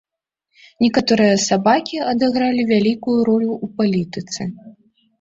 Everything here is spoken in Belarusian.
Некаторыя сабакі адыгралі вялікую ролю ў палітыцы.